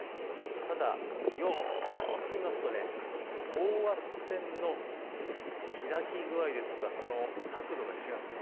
ただよく見ますと等圧線の開き具合や角度が違うんです。